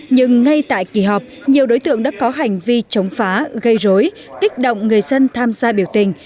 nhưng ngay tại kỳ họp nhiều đối tượng đã có hành vi chống phá gây rối kích động người dân tham gia biểu tình